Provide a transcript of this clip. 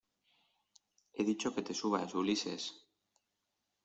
he dicho que te subas, Ulises.